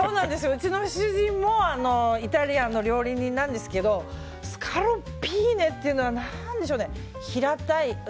うちの主人もイタリアンの料理人なんですけどスカロッピーネっていうのは何でしょうね。